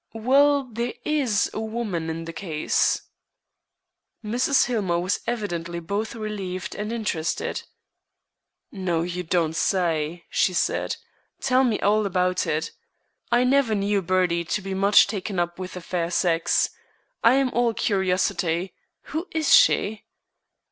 "Well, there is a woman in the case." Mrs. Hillmer was evidently both relieved and interested. "No, you don't say," she said. "Tell me all about it. I never knew Bertie to be much taken up with the fair sex. I am all curiosity. Who is she?"